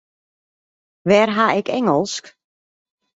Wêr ha ik Ingelsk?